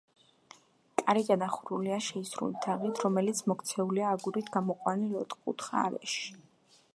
კარი გადახურულია შეისრული თაღით, რომელიც მოქცეულია აგურით გამოყვანილ, ოთხკუთხა არეში.